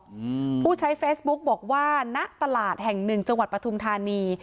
อืมผู้ใช้เฟซบุ๊กบอกว่าณตลาดแห่งหนึ่งจังหวัดปฐุมธานี